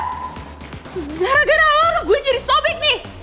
sejarah kena alor gue jadi sobik nih